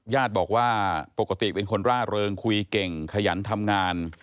ญาติบอกว่าปกติเป็นคนร่าเริงคุยเก่งขยันทำงาน